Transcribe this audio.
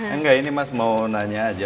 enggak ini mas mau nanya aja